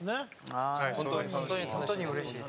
はい本当にうれしいです。